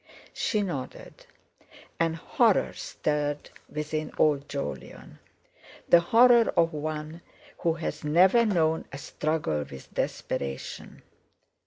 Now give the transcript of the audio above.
_" She nodded, and horror stirred within old Jolyon, the horror of one who has never known a struggle with desperation.